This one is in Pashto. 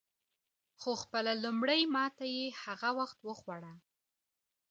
خو خپله لومړۍ ماته یې هغه وخت وخوړه.